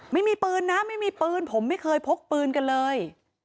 ไม่มีปืนนะไม่มีปืนผมไม่เคยพกปืนกันเลย